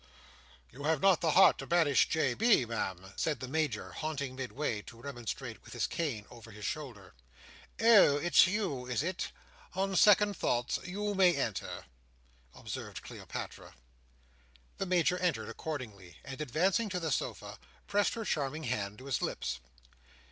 "You have not the heart to banish J. B., Ma'am!" said the Major halting midway, to remonstrate, with his cane over his shoulder. "Oh it's you, is it? On second thoughts, you may enter," observed Cleopatra. The Major entered accordingly, and advancing to the sofa pressed her charming hand to his lips.